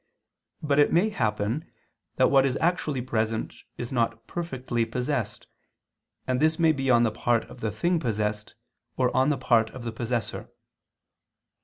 But it may happen that what is actually present is not perfectly possessed: and this may be on the part of the thing possessed, or on the part of the possessor.